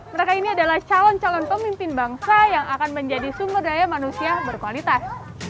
mereka ini adalah calon calon pemimpin bangsa yang akan menjadi sumber daya manusia berkualitas